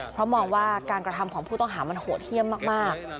เพราะมองว่าการกระทำของผู้ต้องหามันโหดเยี่ยมมาก